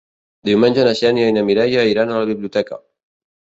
Diumenge na Xènia i na Mireia iran a la biblioteca.